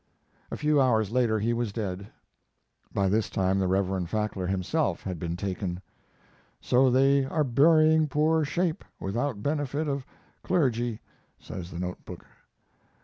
A few hours later he was dead. By this time the Reverend Fackler himself had been taken. "So they are burying poor 'Shape' without benefit of clergy," says the note book.